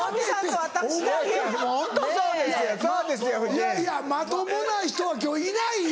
いやいやまともな人は今日いないよ。